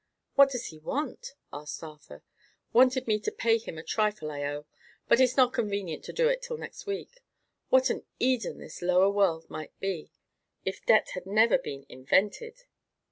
"What does he want?" asked Arthur. "Wanted me to pay him a trifle I owe; but it's not convenient to do it till next week. What an Eden this lower world might be, if debt had never been invented!"